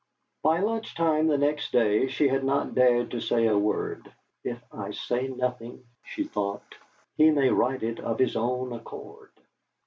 By lunch time the next day she had not dared to say a word. 'If I say nothing,' she thought, 'he may write it of his own accord.'